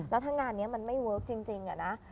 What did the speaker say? แล้วถ้างานนี้มันไม่เวิร์คจริงอะนะ